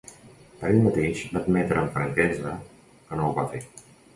Per ell mateix, va admetre amb franquesa que no ho va fer.